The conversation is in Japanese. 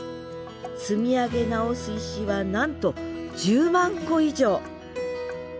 積み上げ直す石はなんと１０万個以上！